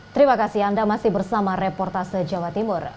terima kasih anda masih bersama reportase jawa timur